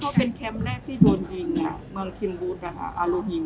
ใช่เขาเป็นแคมป์แรกที่โดนยิงนะเมืองคิมบูชน์อโลฮิง